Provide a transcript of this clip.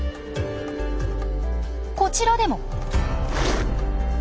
こちらでも！